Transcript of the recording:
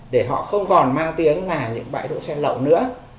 để họ không còn mang tiếng là những bãi đỗ xe lậu nữa